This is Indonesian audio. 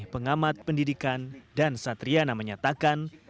pengamat pendidikan dan satriana menyatakan